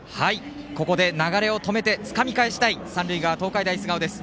ここで流れを止めてつかみ返したい三塁側、東海大菅生です。